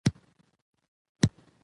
فرهنګ د علم او پوهې د منلو ظرفیت لري.